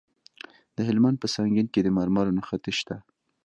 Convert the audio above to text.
د هلمند په سنګین کې د مرمرو نښې شته.